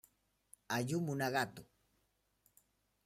Ayumu Nagato